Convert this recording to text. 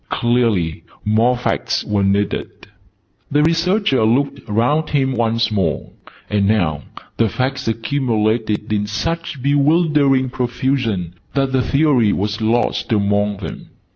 Clearly more Facts were needed. The Researcher looked round him once more: and now the Facts accumulated in such bewildering profusion, that the Theory was lost among them.